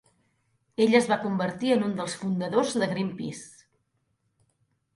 Ell es va convertir en un dels fundadors de Greenpeace.